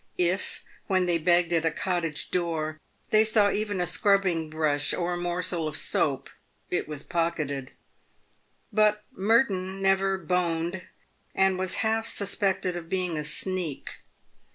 If, when they begged at a cottage door, they saw even a scrubbing brush or a morsel of soap, it was pocketed. But Merton never " boned," and was half suspected of being a sneak.